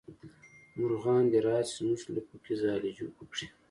مارغان دې راشي زمونږ لپو کې ځالې وکړي